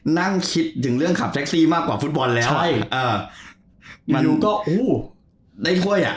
นั่งคิดถึงเรื่องขับแท็กซี่มากกว่าฟุตบอลแล้ว